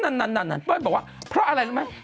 เปล้อนบอกว่าเพราะอะไรรู้ไหม